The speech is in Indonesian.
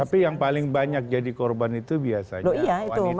tapi yang paling banyak jadi korban itu biasanya wanita